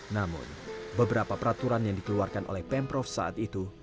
namun beberapa peraturan yang dikeluarkan oleh pemprov saat itu